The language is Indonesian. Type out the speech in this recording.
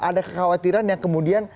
ada kekhawatiran yang kemudian